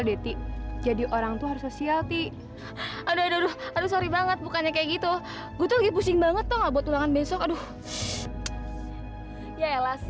buahin sahuran pasar ya